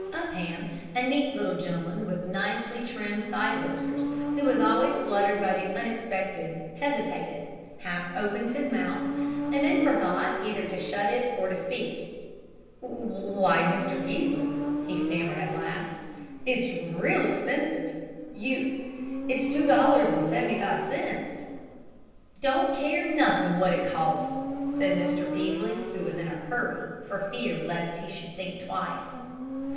Upham, a neat little gentleman with nicely trimmed side whiskers, who was always fluttered by the unexpected, hesitated, half opened his mouth, and then forgot either to shut it or to speak. "Why, Mr. Peaslee," he stammered at last, "it's real expensive! You it's two dollars and seventy five cents." "Don't care nothin' what it costs," said Mr. Peaslee, who was in a hurry for fear lest he should think twice.